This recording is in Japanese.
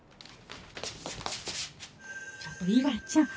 ちょっと伊和ちゃん！